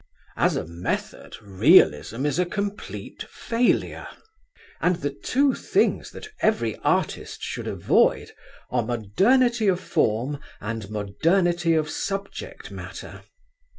As a method Realism is a complete failure, and the two things that every artist should avoid are modernity of form and modernity of subject matter.